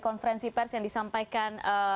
konferensi pers yang disampaikan